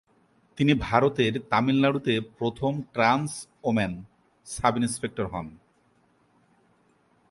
তিনি ভারতের তামিলনাড়ুতে প্রথম ট্রান্স ওম্যান সাব-ইন্সপেক্টর হন।